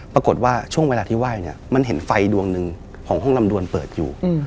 ปรากฏว่าช่วงเวลาที่ไหว้เนี่ยมันเห็นไฟดวงหนึ่งของห้องลำดวนเปิดอยู่